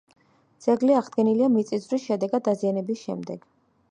ძეგლი აღდგენილია მიწისძვრის შედეგად დაზიანების შემდეგ.